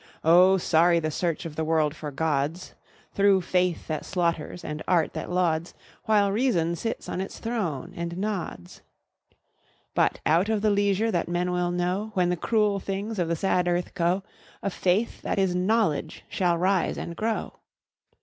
Oh, sorry the search of the world for gods, Through faith that slaughters and art that lauds, While reason sits on its throne and nods. But out of the leisure that men will know, When the cruel things of the sad earth go, A Faith that is Knowledge shall rise and grow.